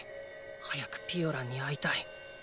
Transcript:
早くピオランに会いたい。